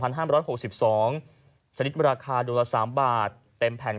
พันห้ามร้อยหกสิบสองชนิดราคาโดยละสามบาทเต็มแผ่น